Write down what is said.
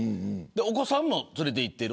お子さんも連れて行っている。